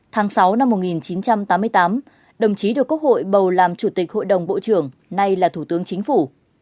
tháng sáu năm một nghìn chín trăm tám mươi tám đồng chí được quốc hội bầu làm chủ tịch hội đồng bộ trưởng nay là thủ tướng chính phủ